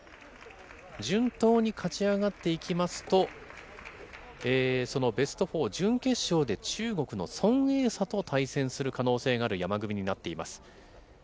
順当に勝ち上がっていきますと、そのベスト４、準決勝で中国のソンエイサと対戦する可能性がある山組になっています。